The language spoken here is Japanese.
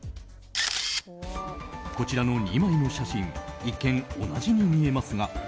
こちらの２枚の写真一見、同じに見えますが。